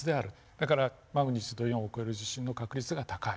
だからマグニチュード４を超える地震の確率が高い。